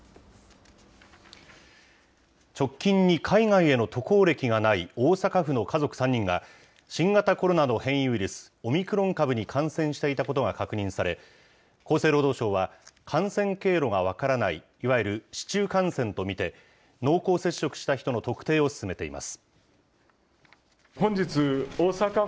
直近に海外への渡航歴がない大阪府の家族３人が、新型コロナの変異ウイルス、オミクロン株に感染していたことが確認され、厚生労働省は、感染経路が分からない、いわゆる市中感染と見て、濃厚接触した人の特定を進めています。